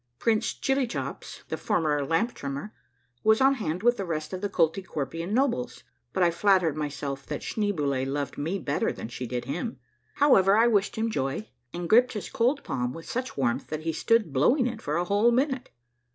Prince Chillychops, the former lamp trimmer, was on hand with the rest of the Koltykwerpian nobles, but I flattered my self that Schneeboule loved me better than she did him. How ever, I wished him joy, and gripped his cold palm with such warmth that he stood blowing it for a whole minute.